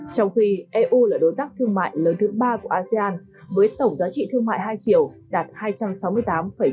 trong khi eu là đối tác thương mại lớn thứ ba của asean với tổng giá trị thương mại hai triệu đạt hai trăm sáu mươi tám bảy